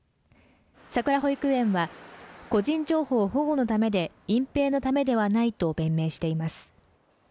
さくら保育園は個人情報保護のためで隠蔽のためではないと弁明しています